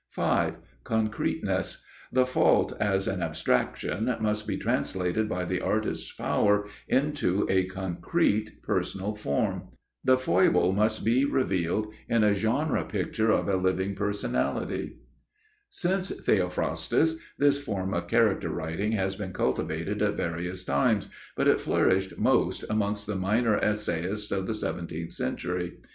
5.—Concreteness: The fault as an abstraction must be translated by the artist's power into a concrete personal form. The foible must be revealed in a genre picture of a living personality. [Sidenote: Imitators of Theophrastus] [Sidenote: La Bruyère] Since Theophrastus, this form of character writing has been cultivated at various times, but it flourished most amongst the minor essayists of the seventeenth century.